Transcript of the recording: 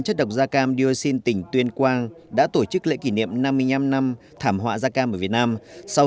chất độc da cam dioxin tỉnh tuyên quang đã tổ chức lễ kỷ niệm năm mươi năm năm thảm họa da cam ở việt nam sau